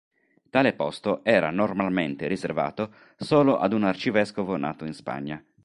Tale posto era normalmente riservato solo ad un arcivescovo nato in Spagna.